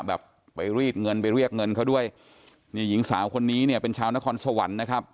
แบบไปรีดเงินไปเรียกเงินเขาด้วยนี่หญิงสาวคนนี้เนี่ยเป็นชาวนครสวรรค์นะครับ